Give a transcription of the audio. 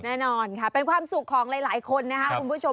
แน่นอนค่ะเป็นความสุขของหลายคนนะครับคุณผู้ชม